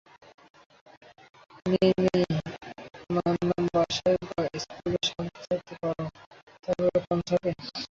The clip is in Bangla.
মেই-মেই, মানলাম বাসায় বা স্কুলে শান্ত থাকতে পারো, তাই বলে কনসার্টে?